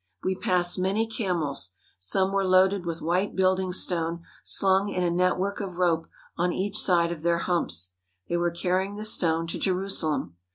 We passed many camels. Some were loaded with white building stone slung in a network of rope on each side of their humps. They were carrying the stone to Jerusalem.